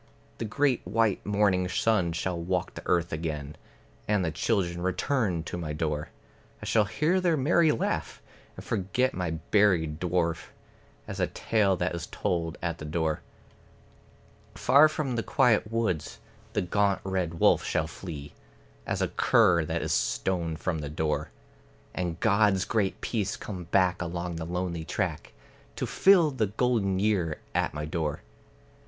The great white morning sun shall walk the earth again, And the children return to my door, I shall hear their merry laugh, and forget my buried dwarf, As a tale that is told at the door. Far from the quiet woods the gaunt red wolf shall flee, As a cur that is stoned from the door; And God's great peace come back along the lonely track, To fill the golden year at my door.